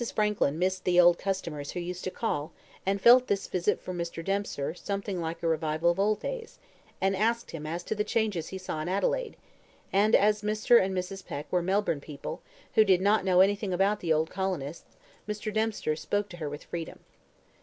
Frankland missed the old customers who used to call, and felt this visit from Mr. Dempster something like a revival of old days, and asked him as to the changes he saw in Adelaide; and as Mr. and Mrs. Peck were Melbourne people, who did not know anything about the old colonists, Mr. Dempster spoke to her with freedom.